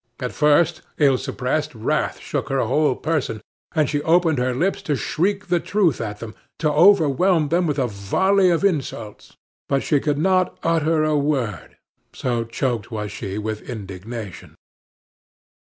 At first, ill suppressed wrath shook her whole person, and she opened her lips to shriek the truth at them, to overwhelm them with a volley of insults; but she could not utter a word, so choked was she with indignation.